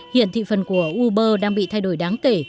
hiện thị phần của uber đang bị thay đổi đáng kể